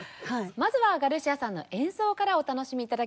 まずはガルシアさんの演奏からお楽しみ頂きましょう。